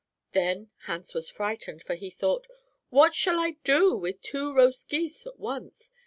Then Hans was frightened, for he thought, 'What shall I do with two roast geese at once?'